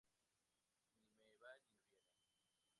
Ni me va ni me viene